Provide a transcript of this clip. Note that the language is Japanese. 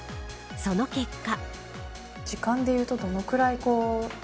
その結果。